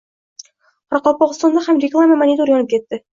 Qoraqalpog‘istonda ham reklama monitori yonib ketdi